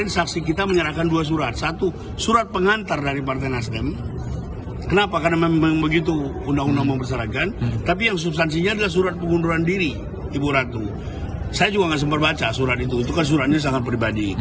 saya juga nggak sempat baca surat itu itu kan suratnya sangat pribadi